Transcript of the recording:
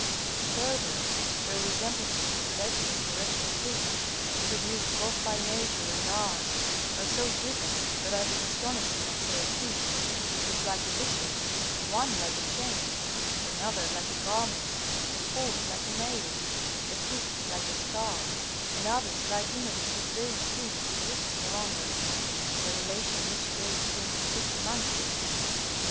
Further, their resemblances to celestial and terrestrial things, produced both by nature and art, are so given that I was astonished when I saw a fish which was like a bishop, one like a chain, another like a garment, a fourth like a nail, a fifth like a star, and others like images of those things existing among us, the relation in each case being completely manifest.